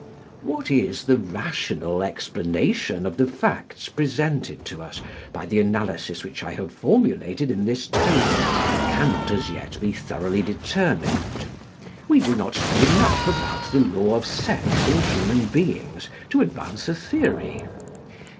What is the rational explanation of the facts presented to us by the analysis which I have formulated in this table cannot as yet be thoroughly determined. We do not know enough about the law of sex in human beings to advance a theory.